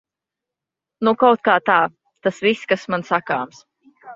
Nu kautkā tā. Tas viss, kas man sakāms.